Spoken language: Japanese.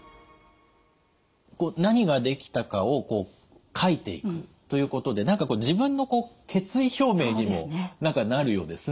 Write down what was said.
何ができたかをこう書いていくということで何か自分の決意表明にもなるようですね。